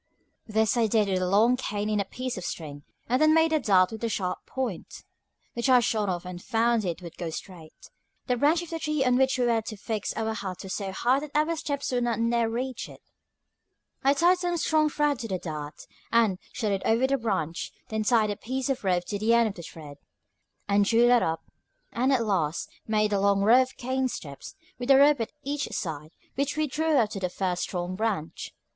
This I did with a long cane and a piece of string, and then made a dart with a sharp point, which I shot off and found it would go straight. The branch of the tree on which we were to fix our hut was so high that our steps would not near reach it. I tied some strong thread to the dart, and shot it over the branch; then tied a piece of rope to the end of the thread, and drew that up, and at last made a long row of cane steps, with a rope at each side, which we drew up to the first strong branch.